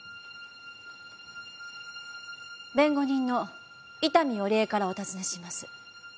弁護人の伊丹織枝からお尋ねします。